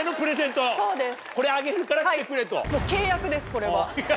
これは。